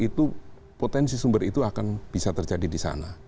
itu potensi sumber itu akan bisa terjadi di sana